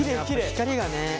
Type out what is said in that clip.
光がね。